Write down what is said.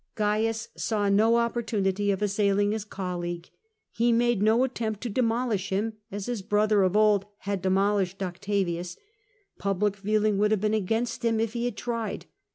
Cains saw no opportunity of assailing his col league; he made no attempt to demolish him, as his brother of old had demolished Octavius; public feeling would have been against him if he had tried.